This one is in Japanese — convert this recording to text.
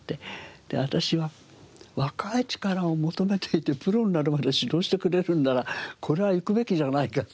で私は「若い力を求めていてプロになるまで指導してくれるのならこれは行くべきじゃないか」と。